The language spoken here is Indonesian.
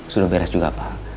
sudah beres juga pak